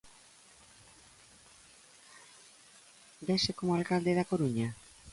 Vese como alcalde da Coruña?